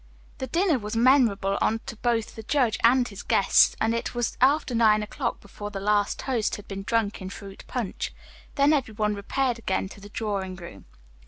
The dinner was a memorable one to both the judge and his guests, and it was after nine o'clock before the last toast had been drunk in fruit punch. Then every one repaired again to the drawing room.